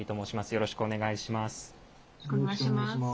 よろしくお願いします。